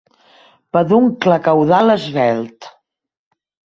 Peduncle caudal esvelt.